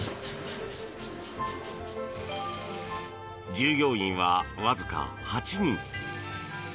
従業員は、わずか８人。